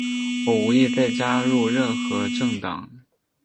我无意再加入任何政党。